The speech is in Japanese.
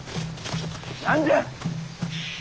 何じゃ！